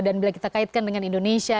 dan bila kita kaitkan dengan indonesia